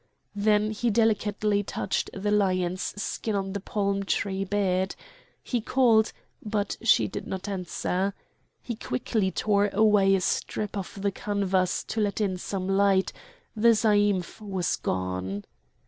Then he delicately touched the lion's skin on the palm tree bed. He called but she did not answer; he quickly tore away a strip of the canvas to let in some light; the zaïmph was gone.